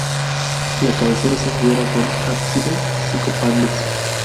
La cabecera se cierra con ábside de cinco paños.